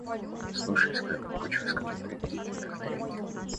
– Слушай, – сказал Пугачев с каким-то диким вдохновением.